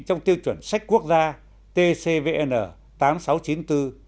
trong tiêu chuẩn sách quốc gia tcvn tám nghìn sáu trăm chín mươi bốn hai nghìn một mươi một